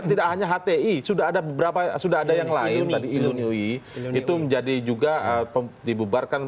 itu juga menjadi pembubarkan